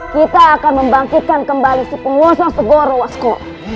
kita akan membangkitkan kembali si pengusaha segorowasko